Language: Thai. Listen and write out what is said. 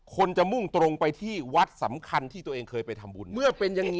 คนจะมุ่งตรงไปที่วัดสำคัญที่ตัวเองเคยไปทำบุญ